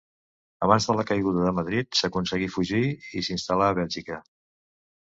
Abans de la caiguda de Madrid, aconseguí fugir i s'instal·là a Bèlgica.